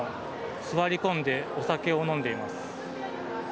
座り込んでお酒を飲んでいます。